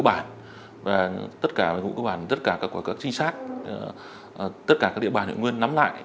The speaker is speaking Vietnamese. bản và tất cả nhiệm vụ cơ bản tất cả các quả các trinh sát tất cả các địa bàn huyện nguyên nắm lại